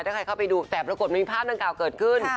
ถ้าใครเข้าไปดูแต่ปรากฏมันมีภาพดังกล่าวเกิดขึ้น